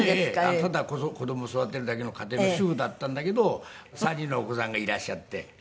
ただ子供を育てるだけの家庭の主婦だったんだけど３人のお子さんがいらっしゃって。